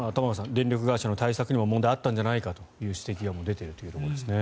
電力会社の対策にも問題があったんじゃないかという指摘が出ているということです。